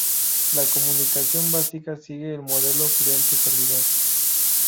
La comunicación básica sigue el modelo cliente-servidor.